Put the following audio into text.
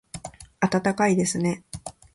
暖かいですね